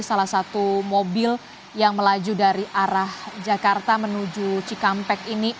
salah satu mobil yang melaju dari arah jakarta menuju cikampek ini